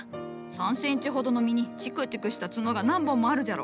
３センチほどの実にチクチクした角が何本もあるじゃろ。